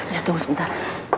ya tunggu sebentar